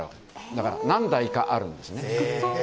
だから、何台かあるんですね。